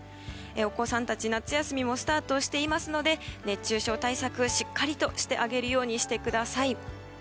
お子さんたち、夏休みもスタートしていますので熱中症対策、しっかりとしてあげるようにしてください。